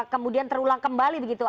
kemudian terulang kembali begitu